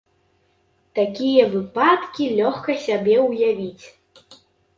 Такія выпадкі лёгка сабе ўявіць.